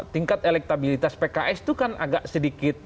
tingkat elektabilitas pks itu kan agak sedikit